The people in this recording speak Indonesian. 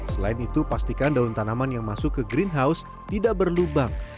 selain itu pastikan daun tanaman yang masuk ke greenhouse tidak berlubang